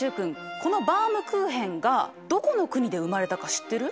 このバウムクーヘンがどこの国で生まれたか知ってる？